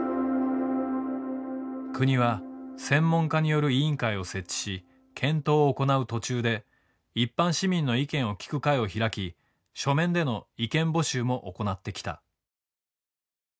国は専門家による委員会を設置し検討を行う途中で一般市民の意見を聞く会を開き書面での意見募集も行ってきた。